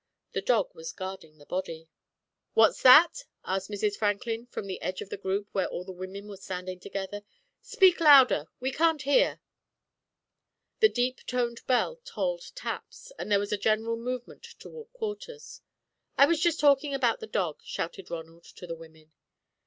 The dog was guarding the body." "What's that?" asked Mrs. Franklin, from the edge of the group where all the women were standing together. "Speak louder we can't hear." The deep toned bell tolled taps, and there was a general movement toward quarters. "I was just talking about the dog," shouted Ronald to the women.